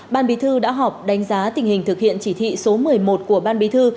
ban bí thư đã họp đánh giá tình hình thực hiện chỉ thị số một mươi một của ban bí thư